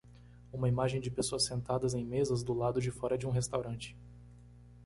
Uma imagem de pessoas sentadas em mesas do lado de fora de um restaurante.